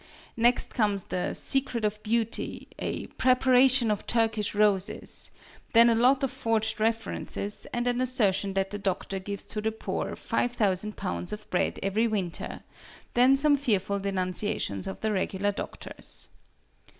Next comes the "Secret of Beauty," a "preparation of Turkish Roses;" then a lot of forged references, and an assertion that the Doctor gives to the poor five thousand pounds of bread every winter; then some fearful denunciations of the regular doctors.